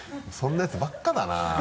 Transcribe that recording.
そんなヤツばっかだな。